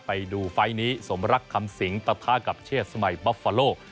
ไปดูไฟล์นี้สมรักคำสิงปะทะกับเชษสมัยบ๊อฟฟาโล